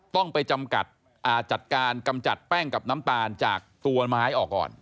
ต้องไปจำกัดจัดการกำจัดแป้งกับน้ำตาลจากตัวไม้ออกก่อน